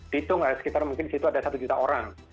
dihitung sekitar mungkin disitu ada satu juta orang